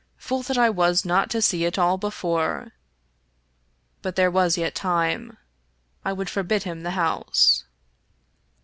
Fool that I was not to see it all before! But there was yet time. I would forbid him the house.